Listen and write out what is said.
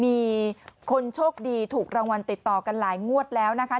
มีคนโชคดีถูกรางวัลติดต่อกันหลายงวดแล้วนะคะ